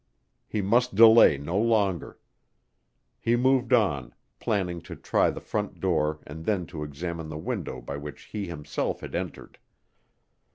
He must delay no longer. He moved on, planning to try the front door and then to examine the window by which he himself had entered.